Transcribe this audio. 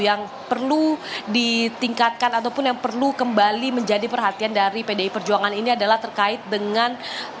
yang perlu ditingkatkan ataupun yang perlu kembali menjadi perhatian dari pdi perjuangan ini adalah terkait dengan